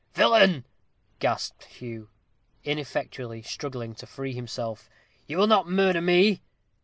"Villain!" gasped Hugh, ineffectually struggling to free himself, "you will not murder me?"